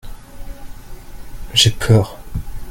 J'ai peur.